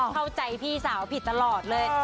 เข้าใจพี่สาวผิดตลอดเลย